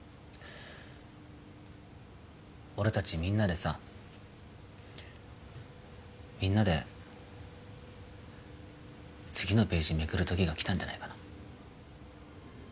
俺達みんなでさみんなで次のページめくる時がきたんじゃないかな？